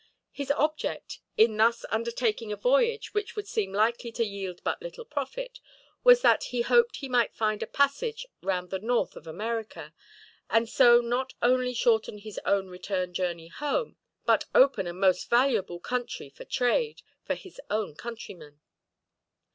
His object, in thus undertaking a voyage which would seem likely to yield but little profit, was that he hoped he might find a passage round the north of America, and so not only shorten his own return journey home, but open a most valuable country for trade, for his own countrymen.